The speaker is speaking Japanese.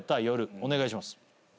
お願いします。